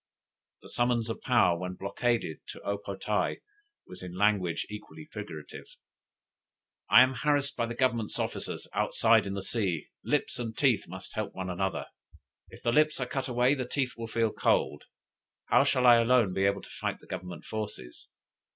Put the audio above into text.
The summons of Paou, when blockaded, to O po tae was in language equally figurative: "I am harassed by the Government's officers outside in the sea; lips and teeth must help one another, if the lips are cut away the teeth will feel cold. How shall I alone be able to fight the Government forces?